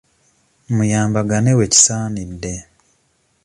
Muyambagane wekisaanidde.